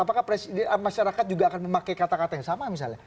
apakah masyarakat juga akan memakai kata kata yang sama misalnya